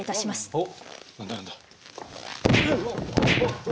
おっ。